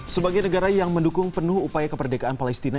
sebagai negara yang mendukung penuh upaya kemerdekaan palestina